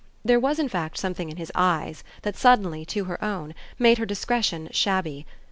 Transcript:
There was in fact something in his eyes that suddenly, to her own, made her discretion shabby.